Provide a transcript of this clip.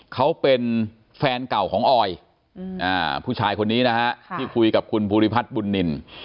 เขาเป็นแฟนเก่าของออยผู้ชายคนนี้นะฮะที่คุยกับคุณภูริพัฒน์บุญนิน